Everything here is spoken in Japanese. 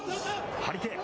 張り手。